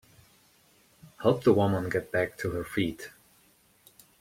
Help the woman get back to her feet.